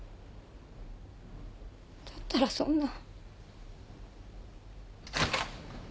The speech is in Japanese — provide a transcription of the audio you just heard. だったらそんな。